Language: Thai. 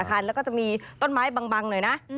แล้วก็จะมีต้นไม้บังหน่อยนะ